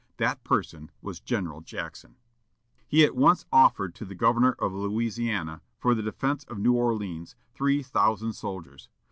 That person was General Jackson. He at once offered to the Governor of Louisiana, for the defence of New Orleans, three thousand soldiers.